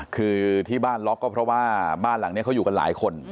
คือที่บ้านล็อกก็เพราะว่าบ้านหลังนี้เขาอยู่กันหลายคน